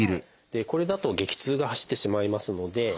これだと激痛が走ってしまいますので。